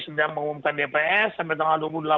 sedang mengumumkan dpr sampai tengah